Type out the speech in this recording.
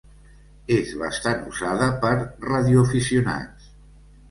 És bastant usada per radioaficionats.